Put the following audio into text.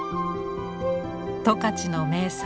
十勝の名産